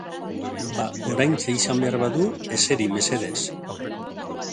Ba, oraintxe izan behar badu, eseri, mesedez.